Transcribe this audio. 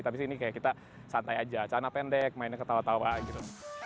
tapi ini kayak kita santai aja cana pendek mainnya ketawa tawa gitu